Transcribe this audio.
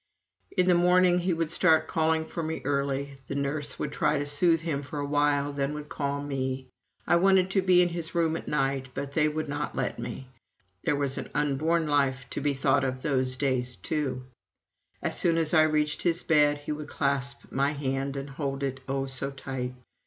In the morning he would start calling for me early the nurse would try to soothe him for a while, then would call me. I wanted to be in his room at night, but they would not let me there was an unborn life to be thought of those days, too. As soon as I reached his bed, he would clasp my hand and hold it oh, so tight.